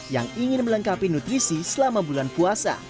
yang ingin melengkapi nutrisi selama bulan puasa